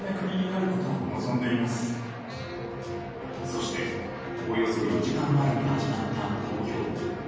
そしておよそ４時間前に始まった投票。